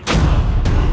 senikah raka prabu